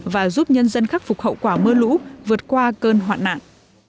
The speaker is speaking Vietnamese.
và giúp nhân dân khắc phục hậu quả mưa lũ vượt qua cơn hoạn nạn